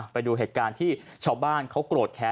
ไปดูเหตุการณ์ที่ชาวบ้านเขาโกรธแค้น